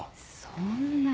そんな。